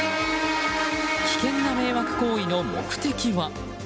危険な迷惑行為の目的は？